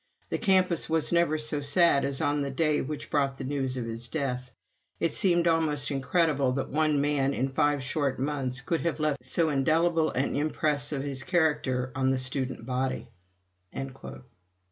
The campus was never so sad as on the day which brought the news of his death it seemed almost incredible that one man in five short months could have left so indelible an impress of his character on the student body."